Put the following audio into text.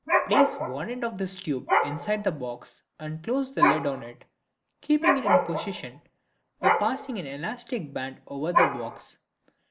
Place one end of this tube inside the box and close the lid on it, keeping it in position by passing an elastic band over the box.